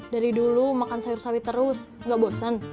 dari dulu makan sayur sawi terus gak bosen